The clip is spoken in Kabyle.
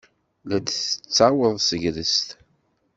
La d-tettaweḍ tegrest.